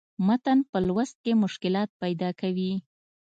متن پۀ لوست کښې مشکلات پېدا کوي